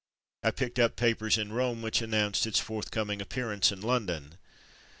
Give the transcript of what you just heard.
I picked up papers in Rome which announced its forthcoming appearance in London.